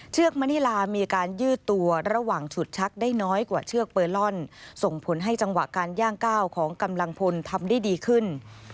เชือกมณิลามีการยืดตัวระหว่างฉุดชักได้น้อยกว่าเชือกเบอร์ลอนส่งผลให้จังหวะการย่างก้าวของกำลังพลทำได้ดีขึ้น